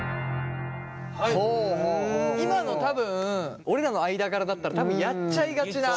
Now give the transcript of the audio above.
今の多分俺らの間柄だったら多分やっちゃいがちな。